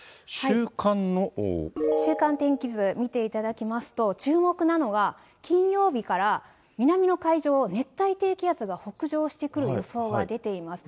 週間天気図、見ていただきますと、注目なのが、金曜日から南の海上を熱帯低気圧が北上してくる予想が出ています。